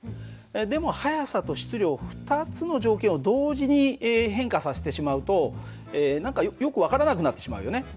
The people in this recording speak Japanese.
でも速さと質量２つの条件を同時に変化させてしまうとえ何かよく分からなくなってしまうよね。